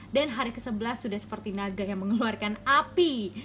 dan hari ke sebelah sudah seperti naga yang mengeluarkan api